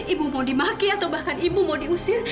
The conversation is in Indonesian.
ibu kangen sekali sama dia zah